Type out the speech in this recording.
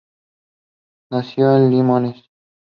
Nació en Limoges.